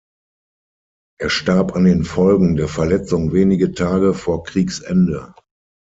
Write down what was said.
Er starb an den Folgen der Verletzung wenige Tage vor Kriegsende.